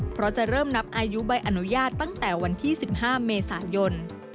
เพราะจะเริ่มนับอายุใบอนุญาตตั้งแต่วันที่๑๕เมษายน